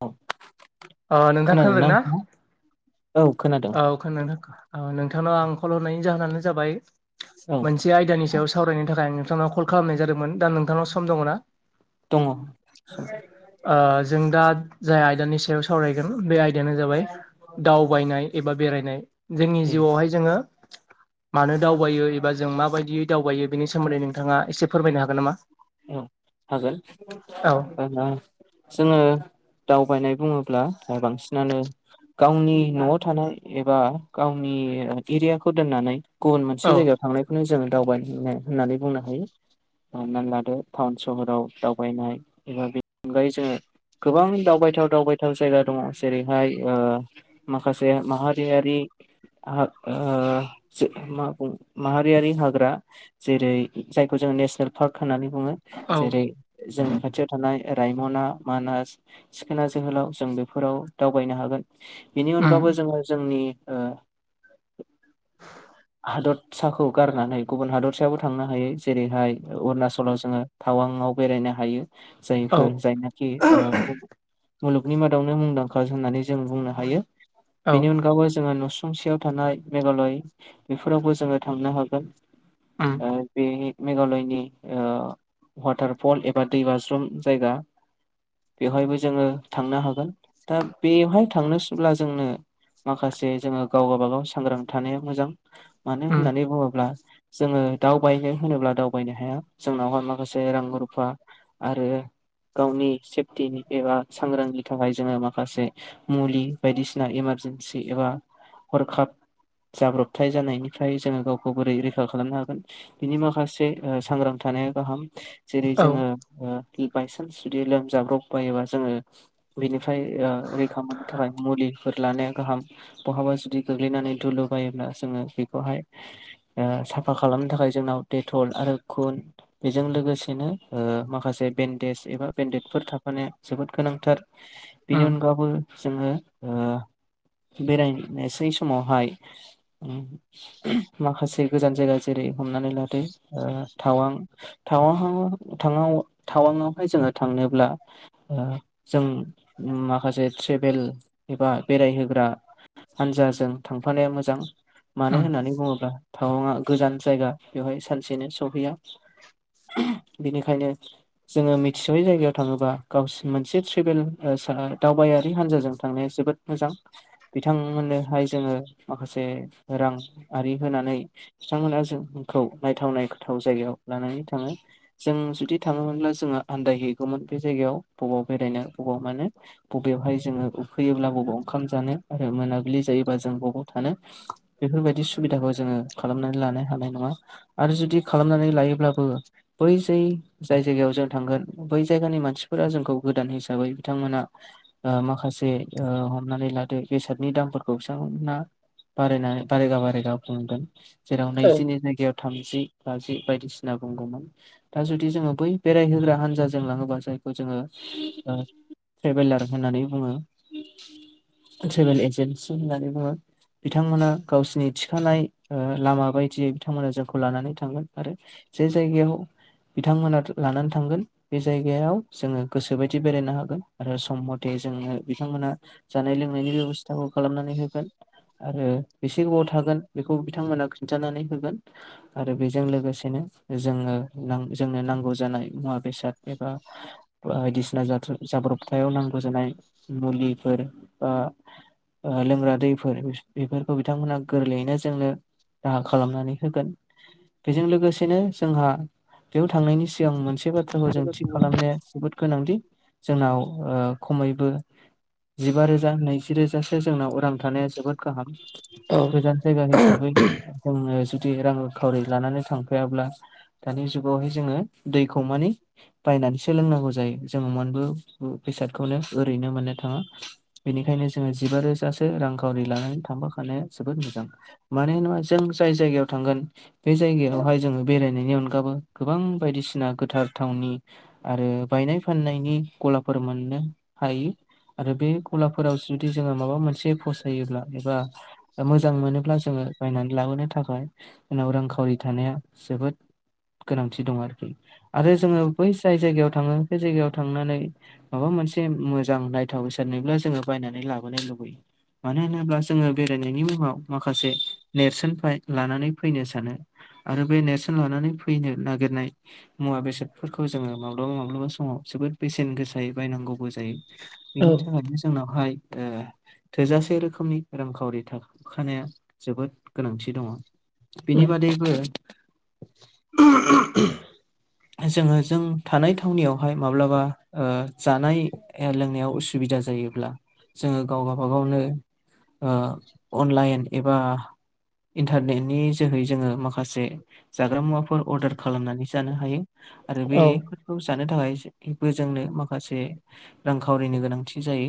औ ओ नोंथां खोनादों खोनादोंना ना नोंथाङा औ खोनादों औ खोनादों ओ नोंथांनाव आं कल हरनायनि जाहोनानो जाबाय औ मोनसे आयदानि सायाव सावरायनो थाखाय आङो नोंथांनाव कल खालामनाय जादोंमोन दा नोंथांनाव सम दङ ना दङ सम ओ जों दा जाय आयदानि सायाव सावरायगोन बे आयदायानो जाबाय दावबायनाय एबा बेरायनाय जोंनि ए जिउआवहाय जोङो मानो दावबायो एबा जों माबायदि दावबायो बेनि सोमोन्दै नोंथाङा एसे फोरमायनो हागोन नामा औ हागोन औ जोङो दावबायनाय बुङोब्ला बांसिनानो गावनि न'आव थानाय एबा गावनि एरियाखौ दोननानै गुबुन मोनसे औ जायगायाव थांनायखौनो जोङो दावबायनो थांनाय होननानै बुंनो हायो हमनानै लादो टाउन सहराव दावबायनाय एबा बेनि अनगायै जोङो गोबां दावबायथाव दावबायथाव जायगा दङ जेरैहाय माखासे माहारियारि आ माहारियारि हाग्रा जेरै जायखौ जोङो नेसनेल पार्क होननानै बुङो औ जेरै जोंनि खाथियाव थानाय रायमना मानास सिखोना जोहोलाव जों बेफोराव दावबायनो हागोन बेनि उम अनगायैबो जोङो जोंनि ओ हादरसाखौ गारनानै गुबुन हादर सायावबो थांनो हायो जेरैहाय अरुणाचलाव जोङो टावांआव बेरायनो हायो औ जायफोर जायनाखि मुलुगनि मादावनो मुंदांखा होननानै जों बुंनो हायो औ बेनि अनगायबो जोङो न'सुं सेयाव थानाय मेघालय बेफोरावबो जोङो थांनो हागोन उम बे मेघालयनि ओ वाटारफल एबा दैबाज्रुम जायगा बेवहायबो जोङो थांनो हागोन दा बेवहाय थांनोसैब्ला जोंनो माखासे जोङो गाव गावाबागाव सांग्रां थानाया मोजां मानो उम होननानै बुङोब्ला जोङो दावबायनो होनोब्ला दावबायनो हाया जोंनावहाय माखासे रां रुफा आरो गावनि सेफटिनि एबा सांग्रांनि थाखाय जोङो माखासे मुलि बायदिसिना एमान एबा हरखाब जाब्रबथाय जानायनिफ्राय जोङो गावखौ बोरै रैखा खा खालामनो हागोन बिनि माखासे सांग्रां थानाया गाहाम जेरै औ जोङो ओ बायसान्स जुदि लोमजाब्रब बायोबा जोङो बेनि फ्राय ओ रैखा मोननो थाखाय मुलिफोर लानाया गाहाम बहाबा जुदि गोग्लैनानै दुलु बायोब्ला जोङो बेखौहाय ओ साफा खालामनो थाखाय जोंनाव डेटल आरो खुन बेजों लोगोसेनो माखासे बेन्न्देज एबा बेन्डेडफोर थाखाफानाया जोबोद गोनांथार बेनि उम अनगाबो जोङो ओ बेरायनोसै समावहाय माखासे गोजान जायगा जेरै हमनानै लादो ओ टाउवां टावाहां थाव टाउवां हाय जोङो थांनोब्ला ओ जों माखासे ट्रेभेल एबा बेरायहोग्रा हानजाजों थांफानाया मोजां मानो उम होननानै बुङोब्ला टावना गोजान जायगा बेवहाय सानसेनो सहैया बेनिखायनो जोङो मिथिस'यै जायगायाव थाङोबा गावसि मोनसे ट्रेबेल दावबायारि हानजाजों थांनाय जोबोद मोजां बिथांमोननोहाय जोङो माखासे रांआरि होनानै बिथांमोना जोंखौ नायथाव नायथाव जायगायाव लानानै थाङो जों जुदि थाङोमोनब्ला जों आनदाय हैगौमोन बे जायगायाव बबाव बेरायनो बबाव मानो बबेयावहाय जोङो फैयोब्ला बबाव ओंखाम जानो आरो मोनाबिलि जायोबा जों बबाव थानो बेफोरबायदि सुबिदाखौ जोङो खालामनानै लानो हानाय नङा आरो जुदि खालामनानै लायोब्लाबो बै जै जाय जायगायाव जों थांगोन बै जायगानि मानसिफोरा जोंखौ गोदान हिसाबै बिथांमोना माखासे हमनानै लादो बेसादनि दामफोरखौ बिथांमोना बारायनानै बारायगा बारायगा बुंदों जेराव औ नैजिनि जायगायाव थामजि बाजि बायदिसिना बुंगौमोन दा जुदि जोङो बै बेरायहोग्रा हानजाजों लाङोबा जाय खौ जोङो ओ ट्रेभेलार होननानै बुङो ट्रेभेल एजेनसि होननानै बुङो बिथांमोना गावसिनि थिखानाय ओ लामा बायदियै बिथांमोना जोंखौ लानानै थांगोन आरो जे जायगायाव बिथांमोना लानानै थांगोन बे जायगायाव जोङो गोसोबायदि बेरायनो हागोन आरो सम मथे जोंनो बिथांमोना जानाय लोंनायनि बेब'सथाखौ खालामनानै होगोन आरो बेसे गोबाव थागोन बेखौ बिथांमोना खिनथानानै होगोन आरो बेजों लोगोसेनो जोङो नां जोंनो नांगौ जानाय मुवा बेसाद एबा बायदि सिना जाब्रबथायाव नांगौ जानाय मुलिफोर बा लोंग्रा दैफोर बेफोरखौ बिथांमोना गोरलैयैनो जोंनो राहा खालामनानै होगोन बेजों लोगोसेनो जोंहा बेयाव थांनायनि सिगां मोनसे बाथ्राखौ जों थि खालामनाया जोबोद गोनांथि जोंनाव ओ खमैबो जिबा रोजा नैजि रोजासो जोंनाव उरां थानाया जोबोद गाहाम औ गोजान जायगा हिसाबै उम जुदि रां खावरि लानानै थांफायाब्ला दानि जुगावहाय जोङो दैखौ मानि बायनानैसो लोंनांगौ जायो जोङो मोनबो बेसादखौनो ओरैनो मोननो थाङो बेनि खायनो जोङो जिबा रोजासो रांखावि लानानै थांफाखानाया जोबोद मोजां मानो होनबा जों जाय जायगायाव थांगोन बे जायगायावहाय जोङो बेरायनायनि अन गाबो गोबां बायदिसिना गोथार थावनि आरो बायनाय फाननायनि गलाफोर मोन नो हायो। आरो बे गलाफोराव जुदि जोङो माबा मोनसे फसायोब्ला एबा मोजां मोनो ब्ला जोङो बायनानै लाबोनो थाखाय जोंनाव रांखावरि थानाया जोबोद गोनांथि दं आरो जोङो बै जाय जायगायाव थाङो बे जायगायाव थांनानै माबा मोनसे मोजां नायथाव बेसाद नोयोब्ला जोङो बायनानै लाबो यो मानो होनोब्ला जोङो बेरायनायनि मुङाव गा माखासे नेरसोनफ्राय लानानै फैनो सानो आरो बे नेरसोन लानानै फैनो नागिरनाय मुवा बेसादफोरखौ जोङो माब्लाबा माब्लाबा समाव जोबोद बेसेन गोसायै बायनांगौबो जायो औ बेनि थाखायनो जोंनावहाय ओ थोजासे रोखोमनि रांखावरि थाखा थानाया जोबोद गोनांथि दङ बेनि उम बादैबो [unintelligible] जोङो जों थानाय थावनियावहाय माब्लाबा ओ जानाय लोंनायाव उसु दिगदार जायोब्ला जोङो गावबा गावनि ओ अनलाइन एबा इन्टारनेटनि जोहै जोङो माखासे जाग्रा मुवाफोर अर्डार खालामनानै जानो हायो। आरो औ बेफोरखौ जानो थाखायबो जोंनो माखासे रांखावरिनि गोनांथि जायो।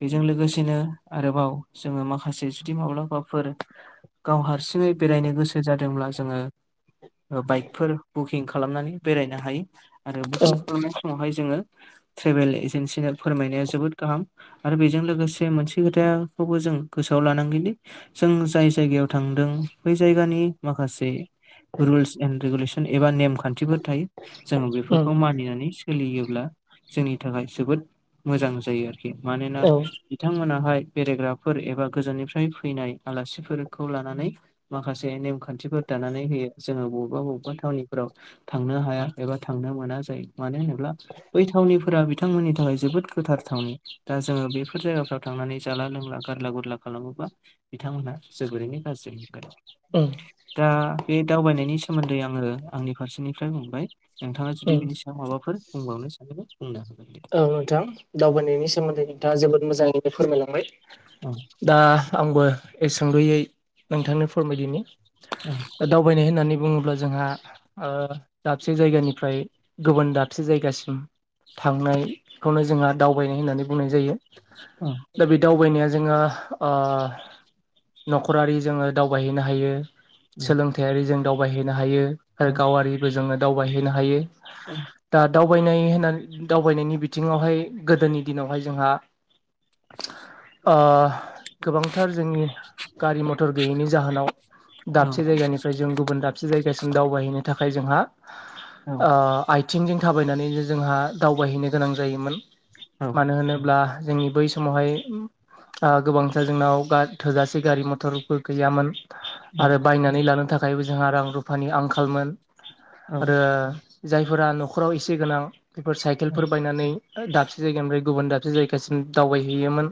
बेजों लोगोसेनो आरोबाव जोङो माखासे जुदि माब्लाबाफोर गाव हारसिङै बेरायनो गोसो जादोंब्ला जोङो बाइकफोर बुकिं खालामनानै बेरायनो हायो आरो औ बोरनाय समावहाय जोङो ट्रेभेल एजेन्सिनो फोरमायनाय आ जोबोद गाहाम आरो बेजों लोगोसे मोनसे खोथाखौबो जों गोसोआव लानांगोनदि जों जाय जायगायाव थांदों बै जायगानि माखासे रुल्स एणड रेगुलेसन एबा नेम खान्थिफोर थायो जोङो उम बेफोरखौ मानिनानै सोलियोब्ला जोंनि थाखाय जोबोद मोजां जायो आरोखि मानोना औ बिथांमोनाहाय बेरायग्राफोर एबा गोजाननिफ्राय फैनाय आलासिफोरखौ लानानै माखासे नेमखान्थिफोर दानानै होयो जोङो बबेबा बबेबा थावनिफोराव थांनो हाया एबा थांनो मोना जायो मानो होनोब्ला बै थावनिफोरा बिथांमोननि थाखाय जोबोद गोथार थावनि दा जोङो बेफोर जायगाफ्राव थांनानै जाला लोंला गारला गुरला खालामोबा बिथांमोनहा जोबोरैनो गाज्रि मोनगोन उम दा बे दावबायनायनि सोमोन्दै आङो आंनि फारसेनिफ्राय बुंबाय नोंथाङा जुदि उम बिनि सायाव माबाफोर बुंबावनो सानोबा बुंनो हागोन दे। औ नोंथां दावबायनायनि सोमोन्दै नोंथाङा जोबोद मोजाङैनो फोरमायलांबाय औ दा आंबो ए सुंदयै नोंथांनो फोरमायदिनि दावबायनाय होननानै बुङोब्ला जोंहा दाबसे जायगानिफ्राय गुबुन दाबसे जायगासिम थांनायखौनो जोंहा दावबायनाय होननानै बुंनाय जायो। औ दा बे दावबायनाया जोंहा आ न'खरारि जोङो दावबायहैनो हायो सोलोंथायारि जों दाव बायहैनो हायो औ आरो गावारिबो जोङो दावबायहैनो हायो। औ दा दावबायनाय होननानै दावबायनायनि बिथिङावहाय गोदोनि दिनावहाय जोंहा [inaudible] गोबांथार जोंनि गारि मथर गैयैनि जाहोनाव औ दाबसे जायगानिफ्राय जों गुबुन दाबसे जायगासिम दावबायहैनो थाखाय जोंहा औ आथिंजों थाबायनानै जोंहा दावबायहैनो गोनां जायोमोन। औ मानो होनोब्ला जोंनि बै समावहाय गोबांथार जोंनाव थोजासे गारि मथरबो गैयामोन। आरो बायनानै लानो थाखायबो जोंहा रां रुफानि आंखालमोन। औ आरो जायफोरा न'खराव एसे गोनां बेफोर साइकेल फोर बायनानै दाबसे जायगानिफ्राय गुबुन दाबसे जायगासिम दावबायहैयोमोन।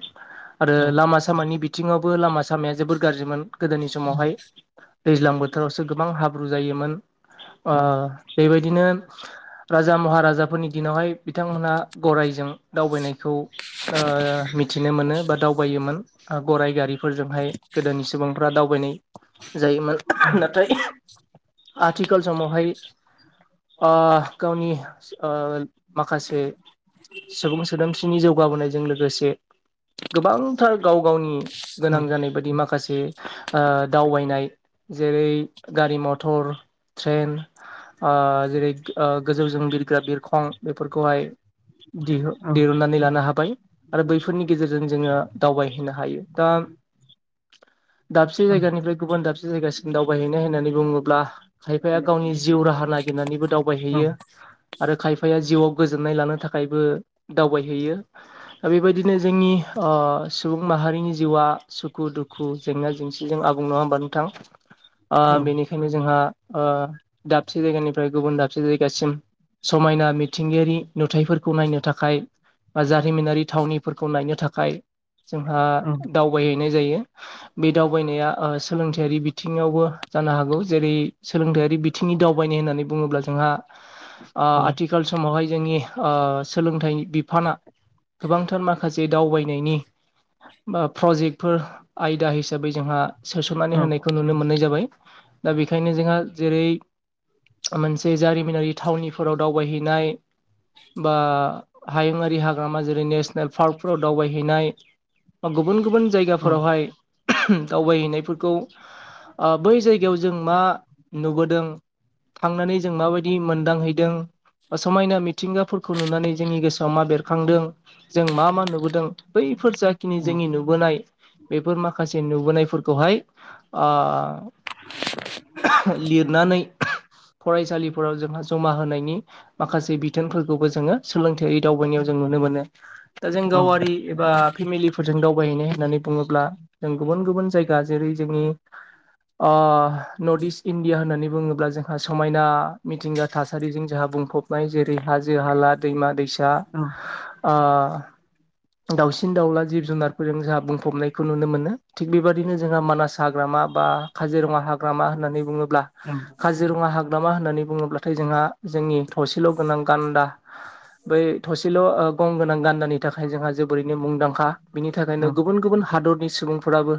आरो लामा सामानि बिथिङावबो लामा सामाया जोबोद गाज्रिमोन गोदोनि समावहाय दैज्लां बोथोरावसो गोबां हाब्रु जायोमोन। बेबायदिनो राजा महाराजाफोरनि दिनावहाय बिथांमोनहा गरायजों दावबायनायखौ मिथिनो मोनो बा दावबायोमोन। गाइ गारिफोरजोंहाय गोदोनि सुबुंफ्रा दावबायनाय जायोमोन। नाथाय आथिखाल समावहाय आ गावनि आ माखासे सुबुं सोदोमथिनि जौगाबोनायजों लोगोसे गोबांथार गाव गावनि गोनां जानाय बायदि माखासे दावबायनाय जेरै गारि मथर ट्रेन जेरै गोजौजों बिरग्रा बिरखं बेफोरखौहाय दिरुननानै लानो हाबाय आरो बैफोरनि गेजेरजों जोङो दावबायहैनो हायो दा। आ दाबसे जायगानिफ्राय गुबुन दाबसे जायगासिम दावबायहैनाय होननानै बुङोब्ला खायफाया गावनि जिउ राहा नागिरनानैबो दावबायहैयो आरो खायफा आयफाया जिउआव गोजोननाय लानो थाखायबो दावबायहैयो दा बेबायदिनो जोंनि सुबुं माहारिनि जिउआ सुखु दुखु जेंना जेंसिजों आबुं नङा हबा नोंथां बेनिखायनो जोंहा दाबसे जायगानिफ्राय गुबुन दाबसे जायगासिम समायना मिथिंगायारि नुथायाइफोरखौ नायनो थाखाय बा जारिमिनारि थावनिफोरखौ नायनो थाखाय जोंहा दावबायहैनाय जायो बे दावबायनाया सोलोंथायारि बिथिङावबो जानो हागौ जेरै सोलोंथायारि बिथिंनि दावबायनाय होननानै बुङोब्ला जोंहा आथिखाल समावहाय जोंनि सोलोंथाइ बिफाना गोबांथार माखासे जे दावबायनायनि बा प्रजेक्टफोर आयदा हिसाबै जोंहा सोसननानै होनायखौ नुनो मोननाय जाबाय दा बेखायनो जोंहा जेरै मोनसे जारिमिनारि थावनिफोराव दावबायहैनाय बा हायुंआारि हाग्रामा जेरै नेसनेल पार्कफोराव दावबायहैनाय बा गुबुन गुबुन जायगाफोरावहाय दावबायहैनायफोरखौ बै जायगायाव जों मा नुबोदों थांनानै जों माबायदि मोनदांहैदों समायना मिथिंगाफोरखौ नुनानै जोंनि गोसोआव मा बेरखांदों जों मा मा नुबोदों बैफोर जाखिनि जोंनि नुबोनाय बेफोर माखासे नुबोनायफोर फोरखौहाय अ लिरनानै फरायसालिफोराव जोंहा जमा होनायनि माखासे बिथोनफोरखौबो जोङो सोलोंथायारि दावबायनायाव जों नुनो मोनो दा जों गावारि एबा फेमिलिफोरजों दावबायहैनाय होननानै बुङोब्ला जों गुबुन गुबुन जायगा जेरै जोंनि नरटइस् इण्डिया होननानै बुङोब्ला जोंहा समायना मिथिंगा थासारिजों जोंहा बुंफबनाय जेरै हाजो हाला दैमा दैसा दाउसिन दाउला जिब जुनारफोरजों जोंहा बुंफबनायखौ नुनो मोनो थिग बेबायाददिनो जोंहा मानास हाग्रामा बा काजिरङा हाग्रामा होननानै बुङोब्ला काजिरङा हाग्रामा मा होननानै बुङोब्लाथाय जोंहा जोंनि थसेल' गोनां गान्दा बै थसेल' गंगोनां गान्दानि थाखाय जोंहा जोबोरैनो मुंदांखा बिनि थाखायनो गुबुन गुबुन हादरनि सुबुंफोराबो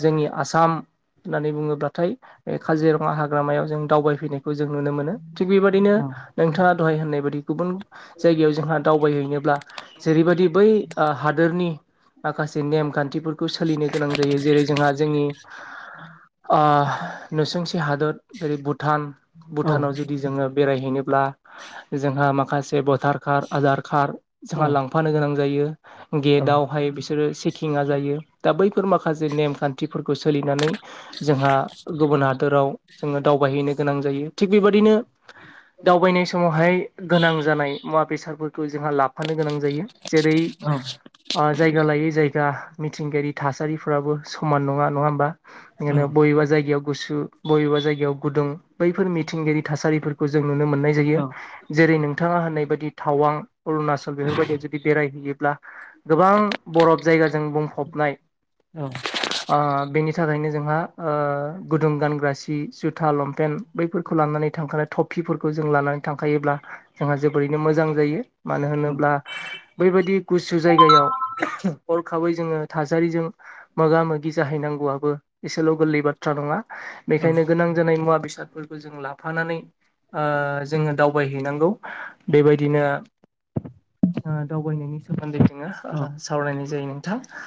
जोंनि आसाम होननानै बुङोब्लाथाय बे काजिरङा हाग्रामायाव जों दावबायफैनाय खौ जों नुनो मोनो थिग बेबायदिनो नोंथाङा दहाय होननाय बादि बदि गुबुन जायगायाव जोंहा दावबायहैनोब्ला जेरैबायदि बै हादोरनि माखासे नेमखान्थिफोरखौ सोलिनो गोनां जायो जेरै जोंहा जोंनि ओ नसुंसे हादर जेरै भुटान भुटानाव जुदि जोङो बेरायहैनोब्ला जोंहा माखासे भटार कार्ड आधार कार्ड जोंहा लांफानो गोनां जायो गेटावहाय बिसोरो चेकिङा जायो दा बै फोर माखासे नेमखान्थि फोरखौ सोलिनानै जोंहा गुबुन हादोराव जोङो दावबायहैनो गोनां जायो थिग बेबायदिनो दावबायनाय समावहाय गोनां जानाय मुवा बेसारफोरखौ जोंहा लाफानो गोनां जायो जेरै जायगा लायै जायगा मिथिंगायारि थासारिफोराबो समान नङा नङा होमबा बबेबा जायगायाव गुसु बबेबा जायगायाव गुदुं बैफोर मिथिंगायारि थासारिफोरखौ जों नुनो मोननाय जायो जेरै नोंथाङा होननाय बायदि थावां अरुणाचल बेफोरबायदियाव जुदि बेरायहैयोब्ला गोबां बरफ जायगाजों बुंफबनाय औ ओ बेनि थाखायनो जोंहा ओ गुदुं गानग्रा सि जुथा लंपेनन्ट बैफोरखौ लानानै थांखानाय थपि पिफोरखौ जों लानानै थांखायोब्ला जोंहा जोबोरैनो मोजां जायो मानो होनोब्ला बैबायदि गुसु जायगायाव हरखाबै जोङो थास थासारिजों मोगा मोगि जाहैनांगौआबो एसेल' गोरलै बाथ्रा नङा औ बेखायनो गोनां जानाय मुवा बेसादफोरखौ जों लाफानानै ओ जोङो दावबायहैनांगौ बेबायदिनो दावबायनायनि सोमोन्दै जोङो औ सावरायनाय जायो नोंथां